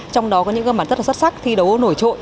trong đó có những cơ bản rất xuất sắc thi đấu nổi trội